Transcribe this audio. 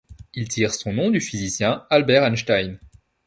Il tire son nom du physicien Albert Einstein.